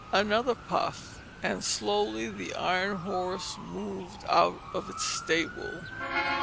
Another puff, and slowly the iron horse moved out of its stable.